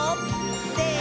せの！